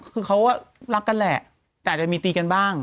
คือเขารักกันแหละแต่อาจจะมีตีกันบ้าง